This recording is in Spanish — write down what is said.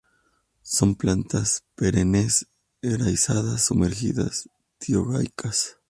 Son plantas perennes, enraizadas sumergidas, dioicas.